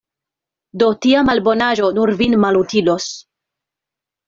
Do tia malbonaĵo nur vin malutilos.